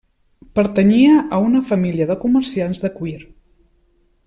Pertanyia a una família de comerciants de cuir.